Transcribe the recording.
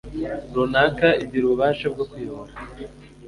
runaka igira ububasha bwo kuyobora